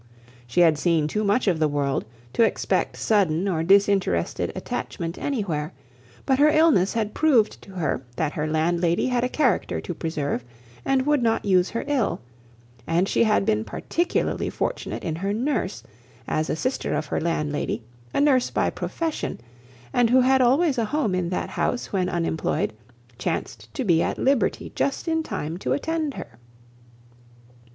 She had seen too much of the world, to expect sudden or disinterested attachment anywhere, but her illness had proved to her that her landlady had a character to preserve, and would not use her ill; and she had been particularly fortunate in her nurse, as a sister of her landlady, a nurse by profession, and who had always a home in that house when unemployed, chanced to be at liberty just in time to attend her.